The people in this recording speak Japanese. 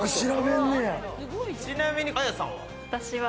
ちなみに彩さんは？